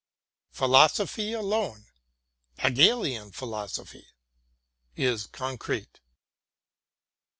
Philosophy alone — Hegelian philosophy — is concrete.